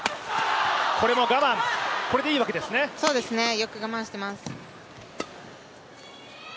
よく我慢しています。